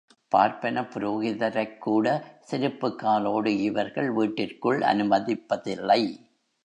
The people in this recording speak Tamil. பார்ப்பனப் புரோகிதரைக்கூட, செருப்புக் காலோடு இவர்கள் வீட்டிற்குள் அனுமதிப்பதில்லை.